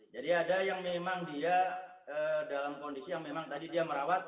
jadi ada yang memang dia dalam kondisi yang memang tadi dia merawat